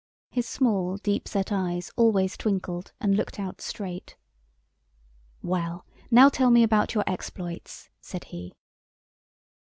His small, deep set eyes always twinkled and looked out straight. "Well, now tell me about your exploits," said he.